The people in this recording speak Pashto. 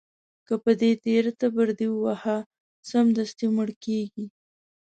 که په دې تېره تبر دې وواهه، سمدستي مړ کېږي.